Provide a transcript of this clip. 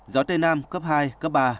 gió tây nam cấp hai cấp ba